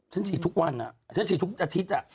ฉันฉี่ทุกวันเฉี่ยฉี่ทุกอาทิตย์